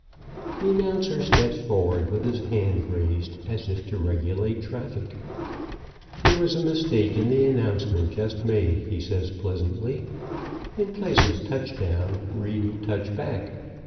The announcer steps forward with his hand raised as if to regulate traffic. "There was a mistake in the announcement just made," he says pleasantly. "In place of 'touchdown' read 'touchback.'